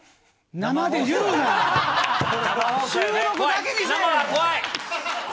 生は怖い。